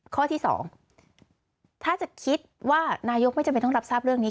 ข้อที่๒ถ้าจะคิดว่านายกไม่จำเป็นต้องรับทราบเรื่องนี้